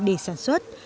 để sản xuất